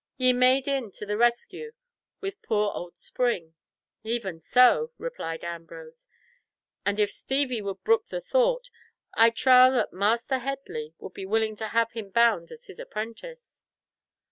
Ye made in to the rescue with poor old Spring." "Even so," replied Ambrose, "and if Stevie would brook the thought, I trow that Master Headley would be quite willing to have him bound as his apprentice."